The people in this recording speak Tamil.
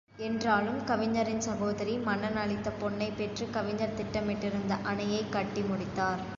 என்றாலும், கவிஞரின் சகோதரி, மன்னன் அளித்த பொன்னைப் பெற்றுக் கவிஞர் திட்டமிட்டிருந்த அணையைக் கட்டி முடித்தார்.